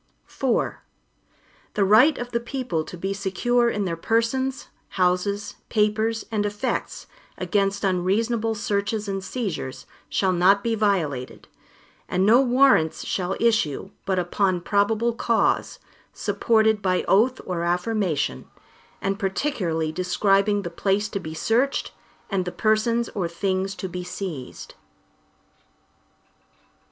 IV The right of the people to be secure in their persons, houses, papers, and effects, against unreasonable searches and seizures, shall not be violated, and no Warrants shall issue, but upon probable cause, supported by oath or affirmation, and particularly describing the place to be searched, and the persons or things to be seized.